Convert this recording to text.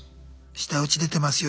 舌打ち出てますよ